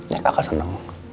ya kakak seneng